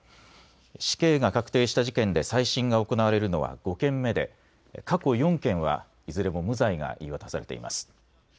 死刑が確定した事件で再審が行われるのは５件目で過去４件はいずれも無罪が言い渡されています。